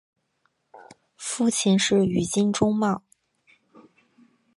父亲是宇津忠茂。